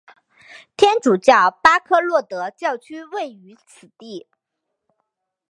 天主教巴科洛德教区位于此地。